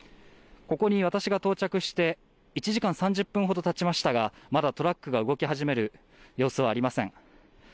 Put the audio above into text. ここに私が到着して１時間３０分ほどたちましたがまだトラックが動き始める様子はありません。